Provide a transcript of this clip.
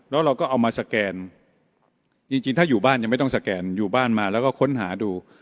แล้วเราก็เอามาสแกนจริงถ้าอยู่บ้านยังไม่ต้องสแกนอยู่บ้านมาแล้วก็ค้นหาดู